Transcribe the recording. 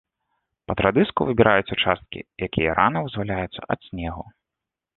Пад радыску выбіраюць участкі, якія рана вызваляюцца ад снегу.